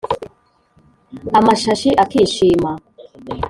amashashi akishima